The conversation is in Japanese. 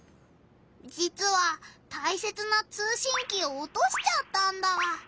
じつはたいせつな通しんきをおとしちゃったんだ。